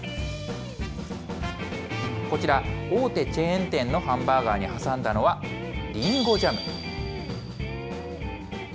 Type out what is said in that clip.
こちら、大手チェーン店のハンバーガーに挟んだのは、リンゴジャム。